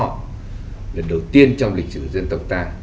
đó là đầu tiên trong lịch sử dân tộc ta